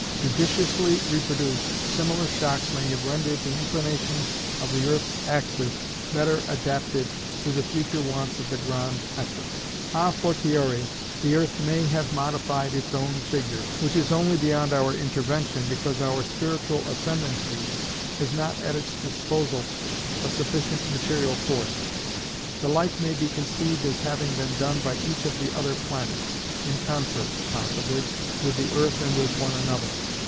Judiciously reproduced, similar shocks may have rendered the inclination of the earth's axis better adapted to the future wants of the Grand Etre. A fortiori the Earth may have modified its own figure, which is only beyond our intervention because our spiritual ascendancy has not at its disposal a sufficient material force." The like may be conceived as having been done by each of the other planets, in concert, possibly, with the Earth and with one another.